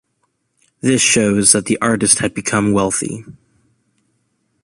This shows that the artist had become wealthy.